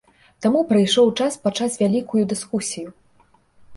Таму прыйшоў час пачаць вялікую дыскусію!